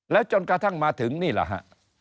แล้วจนกระทั่งมาถึงนี่แหละฮะ